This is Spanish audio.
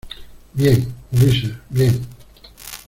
bien, Ulises , bien.